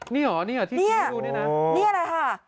นี่อะไรค่ะ